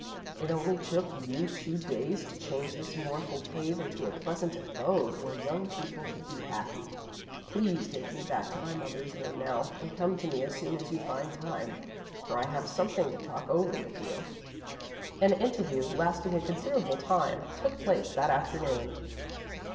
"It only took you two days to change this mournful cave into a pleasant abode where young people could be happy. Please take me back to my mother's room now and come to me as soon as you find time, for I have something to talk over with you." An interview lasting a considerable time took place that afternoon.